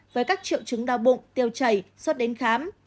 với các triệu chứng đau bụng tiêu chảy suốt đến khám